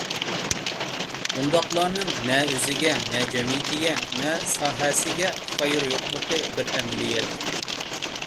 بۇنداقلارنىڭ نە ئۆزىگە، نە جەمئىيىتىگە، نە ساھەسىگە خەيرى يوقلۇقى بىر ئەمەلىيەت.